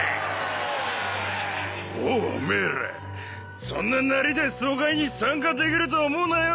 おうオメエらそんなナリで総会に参加できると思うなよ